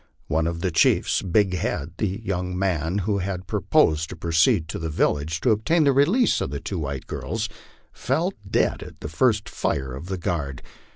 One of the chiefs, Big Head, the young man who had proposed to proceed to the village and obtain the release of the two white girls, fell dead at the first fire of the guard.